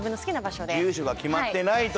住所が決まってないという。